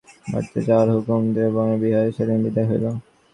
কুমুদকে একদিন সন্ত্রীক তার বাড়িতে যাওয়ার হুকুম দিয়া বনবিহারী সেদিন বিদায় হইল।